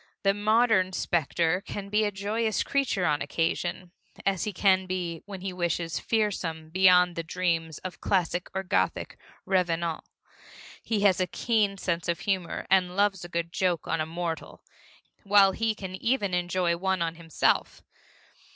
The modern specter can be a joyous creature on occasion, as he can be, when he wishes, fearsome beyond the dreams of classic or Gothic revenant. He has a keen sense of humor and loves a good joke on a mortal, while he can even enjoy one on himself.